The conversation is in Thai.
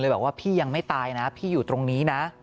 บอกว่าพี่ยังไม่ตายนะพี่อยู่ตรงนี้นะ